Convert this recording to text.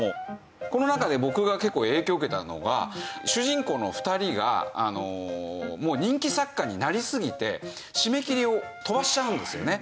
この中で僕が結構影響を受けたのが主人公の２人が人気作家になりすぎて締め切りを飛ばしちゃうんですよね。